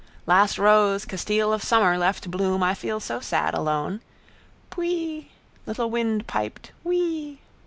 Last rose Castile of summer left bloom I feel so sad alone. Pwee! Little wind piped wee.